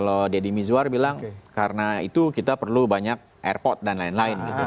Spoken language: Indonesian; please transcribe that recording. dan deddy mizwar bilang karena itu kita perlu banyak airport dan lain lain gitu